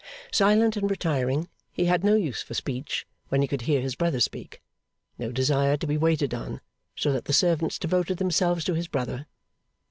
Silent and retiring, he had no use for speech when he could hear his brother speak; no desire to be waited on, so that the servants devoted themselves to his brother.